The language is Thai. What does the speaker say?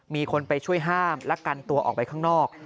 มีคนไปช่วยห้ามและกันตัวออกไปข้างนอก